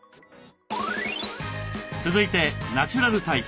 続いてナチュラルタイプ。